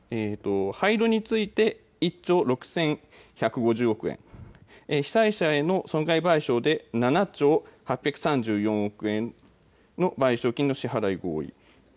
廃炉について１兆６１５０億円、被災者への損害賠償で７兆８３４億円の賠償金の支払い合意。